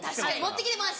持ってきてます。